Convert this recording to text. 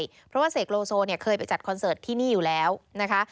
เพราะว่าเสกโลโซเนี่ยเคยไปจัดคอนเสิร์ตที่นี่อยู่แล้วนะคะ